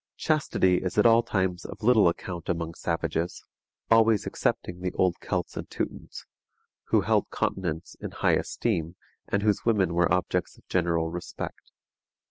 Chastity is at all times of little account among savages, always excepting the old Celts and Teutons, who held continence in high esteem, and whose women were objects of general respect.